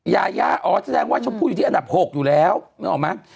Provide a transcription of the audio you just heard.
ยายาอ๋อแสดงว่าชมพู่อยู่ที่อันดับ๖อยู่แล้วนึกออกไหม